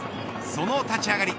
その立ち上がり